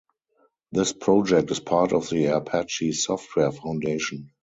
This project is part of the Apache Software Foundation.